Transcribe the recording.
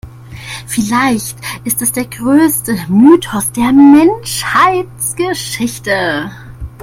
Vielleicht ist es der größte Mythos der Menschheitsgeschichte.